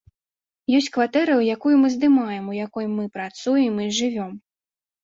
Ёсць кватэра, якую мы здымаем, у якой мы працуем і жывём.